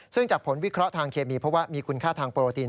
ซึ่งจากผลวิเคราะห์ทางเคมีเพราะว่ามีคุณค่าทางโปรตีน